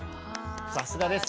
さすがです。